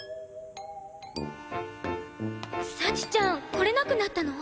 幸ちゃん来れなくなったの？